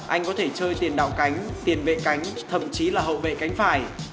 anh có thể chơi tiền đảo cánh tiền vệ cánh thậm chí là hậu vệ cánh phải